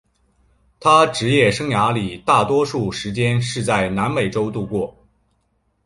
他职业生涯里大多数时间是在南美洲度过。